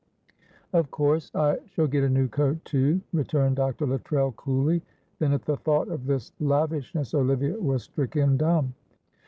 "Of course I shall get a new coat too," returned Dr. Luttrell, coolly. Then at the thought of this lavishness Olivia was stricken dumb.